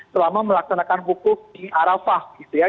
selama melaksanakan hukum di arafah gitu ya